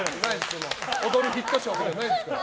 踊るヒットショーじゃないですから。